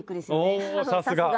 おさすが。